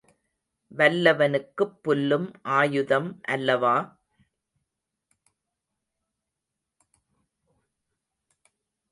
வல்லவனுக்குப் புல்லும் ஆயுதம் அல்லவா!